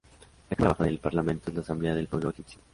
La cámara baja del parlamento es la Asamblea del pueblo egipcio.